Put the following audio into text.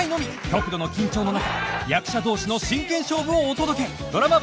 極度の緊張の中役者同士の真剣勝負をお届け！